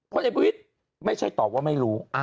พไอบวิทย์ไม่ใช่ตอบว่าไม่รู้